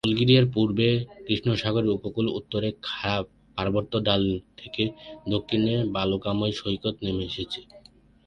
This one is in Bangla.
বুলগেরিয়ার পূর্বে কৃষ্ণ সাগরের উপকূল উত্তরে খাড়া পার্বত্য ঢাল থেকে দক্ষিণে বালুকাময় সৈকতে নেমে এসেছে।